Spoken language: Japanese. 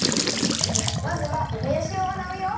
まずはもやしをあらうよ。